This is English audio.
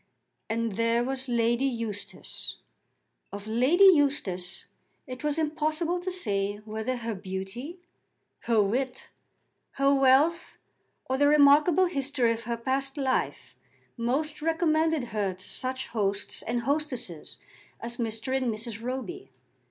And there was Lady Eustace! Of Lady Eustace it was impossible to say whether her beauty, her wit, her wealth, or the remarkable history of her past life, most recommended her to such hosts and hostesses as Mr. and Mrs. Roby.